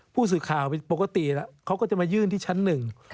ผู้สื่อข่าวปกติแล้วเขาก็จะมายื่นที่ชั้นหนึ่ง